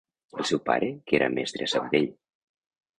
El seu pare, que era mestre a Sabadell.